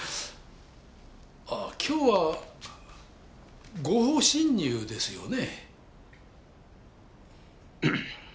ああ今日は合法侵入ですよね？